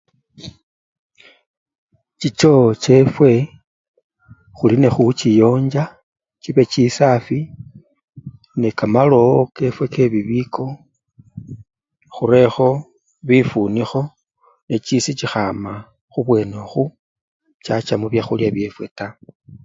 Chichoo chefwe khuli nekhuchiyonja chibe chisafwi nekamalowo kefwe kebibiko khurekho bifunikho nechisi chikhama khubwene okhwo chacha mubyakhulya byefwe taa.